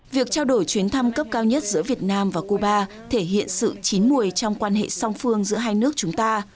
việc trao đổi chuyến thăm cấp cao nhất giữa việt nam và cuba thể hiện sự chín mùi trong cuộc chiến